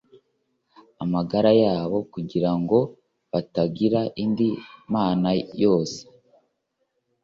amagara yabo kugira ngo batagira indi mana yose